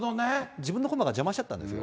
自分の駒が邪魔しちゃったんですよ。